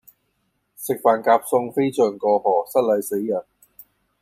食飯夾餸飛象過河失禮死人